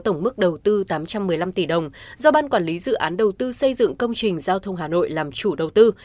tổng mức đầu tư tám trăm một mươi năm tỷ đồng do ban quản lý dự án đầu tư xây dựng công trình giao thông hà nội làm chủ đầu tư